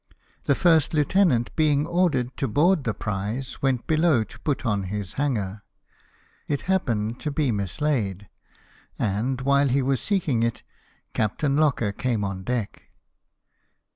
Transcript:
The first lieutenant being ordered to board the prize, went below to put on his hanger. It happened to be mislaid ; and, while he IC LIFE OF NELSON. was seeking it, Captain Locker came on deck.